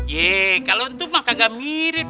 yeay kalau itu mah kagak mirip